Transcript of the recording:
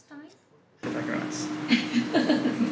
いただきます。